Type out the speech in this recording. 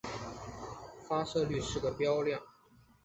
发射率是个标量。